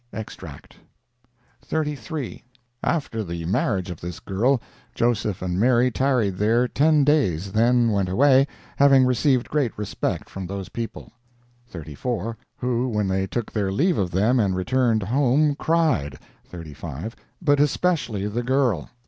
[Extract.] "33. After the marriage of this girl, Joseph and Mary tarried there ten days, then went away, having received great respect from those people: "34. Who, when they took their leave of them and returned home, cried, "35. But especially the girl."